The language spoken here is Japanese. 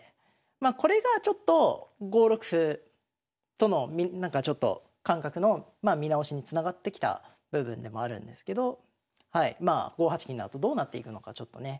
まあこれがちょっと５六歩とのなんかちょっと感覚の見直しにつながってきた部分でもあるんですけどまあ５八金のあとどうなっていくのかちょっとね。